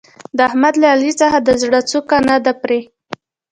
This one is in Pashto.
د احمد له علي څخه د زړه څوکه نه ده پرې.